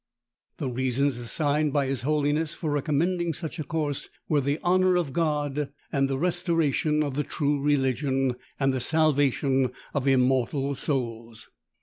The reasons assigned by his holiness for recommending such a course, were the honour of God, the restoration of the true religion, and the salvation of immortal souls.